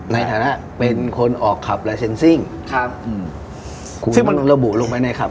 ในฐานะเป็นคนออกคลับครับอืมซึ่งมันระบุลงไปในคลับ